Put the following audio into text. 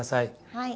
はい。